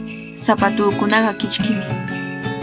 Sapatuukunaqa kichkimi.